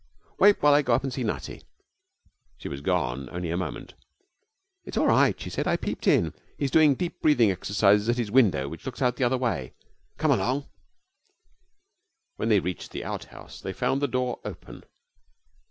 Wait while I go up and see Nutty.' She was gone only a moment. 'It's all right,' she said. 'I peeped in. He's doing deep breathing exercises at his window which looks out the other way. Come along.' When they reached the outhouse they found the door open.